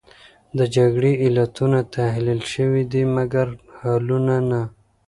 د جګړې علتونه تحلیل شوې دي، مګر حلونه نه.